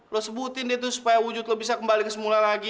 lo sebutin deh tuh supaya wujud lo bisa kembali kesemula lagi